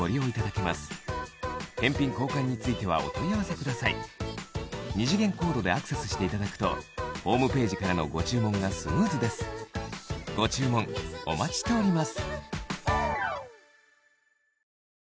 日テレだけの大特価お見逃しなく二次元コードでアクセスしていただくとホームページからのご注文がスムーズですご注文お待ちしております